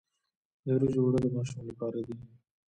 د وریجو اوړه د ماشوم لپاره دي.